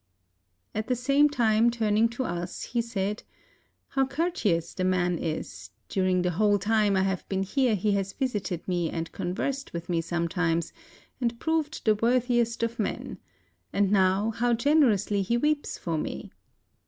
At the same time turning to us he said, ''How courteous the man is; dur ing the whole time I have been here he has visited me and conversed with me sometimes, and proved the wor thiest of men; and now how generously he weeps for me.